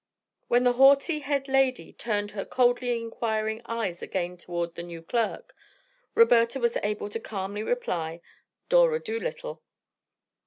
When the haughty "head lady" turned her coldly inquiring eyes again toward the new clerk, Roberta was able to calmly reply, "Dora Dolittle."